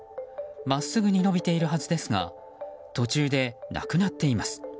真っすぐに延びているはずですが途中でなくなっています。